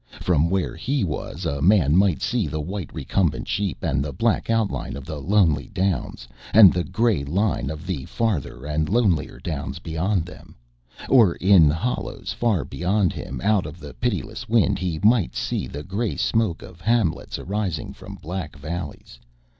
From where he was, a man might see the white recumbent sheep and the black outline of the lonely downs, and the grey line of the farther and lonelier downs beyond them; or in hollows far below him, out of the pitiless wind, he might see the grey smoke of hamlets arising from black valleys.